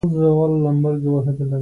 زه نن یار احمد سره مېلمه یم